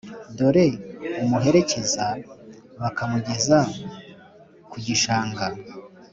dore umuherekeza bakamugeza ku gishanga